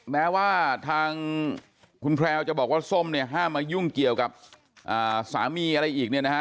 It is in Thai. แม้ว่าทางคุณแพลวจะบอกว่าส้มเนี่ยห้ามมายุ่งเกี่ยวกับสามีอะไรอีกเนี่ยนะฮะ